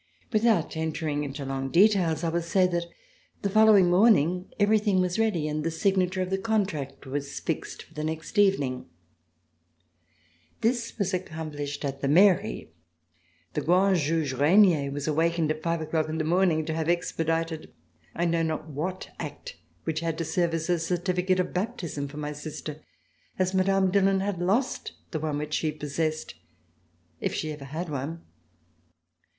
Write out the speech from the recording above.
Without entering into long details, I will say that the following morning everything was ready and the signature of the contract was fixed for the next evening. This was accomplished at the Mairie. The Grand Juge Regnier was awakened at five o'clock in the morning to have expedited I know not what act which had to serve as a certificate of baptism for my sister, as Mme. Dillon had lost the one which she possessed, if she ever had one.